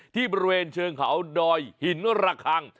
ที่บริเวณเชิงเขาดอยหินระคัง